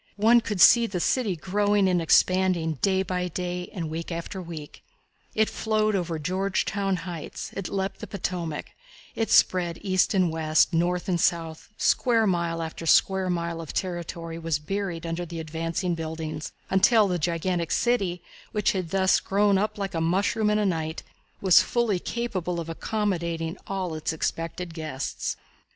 One could see the city growing and expanding day by day and week after week. It flowed over Georgetown Heights; it leaped the Potomac; it spread east and west, south and north; square mile after square mile of territory was buried under the advancing buildings, until the gigantic city, which had thus grown up like a mushroom in a night, was fully capable of accommodating all its expected guests.